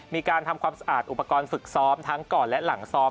มีการทำความสะอาดอุปกรณ์ฝึกซ้อมทั้งก่อนและหลังซ้อม